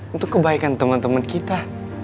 untuk kebaikan temen temen kita